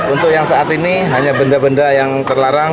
untuk yang saat ini hanya benda benda yang terlarang